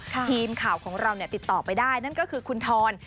ทีมข่าวของเราติดต่อไปได้นั่นก็คือคุณทอน